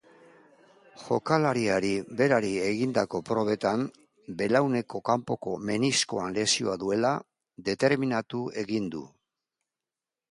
Jokalariari berari egindako probetan belauneko kanpoko meniskoan lesioa duela determinatu egin du.